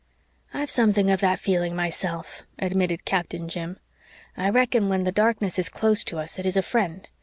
"I've something of that feeling myself," admitted Captain Jim. "I reckon when the darkness is close to us it is a friend.